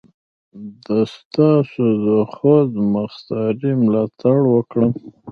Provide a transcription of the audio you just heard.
د ستاسو د خودمختاري ملاتړ وکړم.